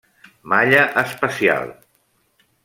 Malla espacial.